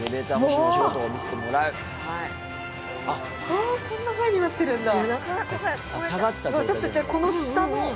こんなふうになってるんだ。